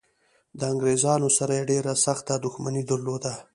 د انګریزانو سره یې ډېره سخته دښمني درلوده.